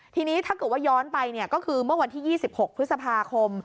ทีนี้ถ้าเกิดว่าย้อนไปก็คือเมื่อวันที่๒๖พฤษภาคม